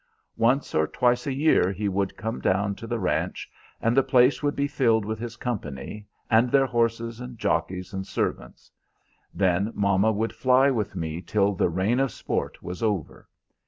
Once or twice a year he would come down to the ranch, and the place would be filled with his company, and their horses and jockeys and servants. Then mama would fly with me till the reign of sport was over.